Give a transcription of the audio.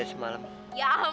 saya sampai piring